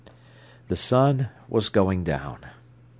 The sun was going down.